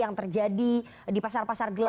yang terjadi di pasar pasar gelap